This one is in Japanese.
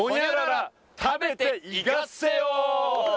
「○○食べていがっせよ！」